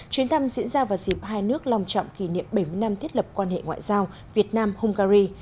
chuyến thăm diễn ra vào dịp hai nước lòng trọng kỷ niệm bảy mươi năm thiết lập quan hệ ngoại giao việt nam hungary